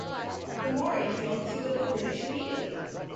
The Maori killed two of the British immediately.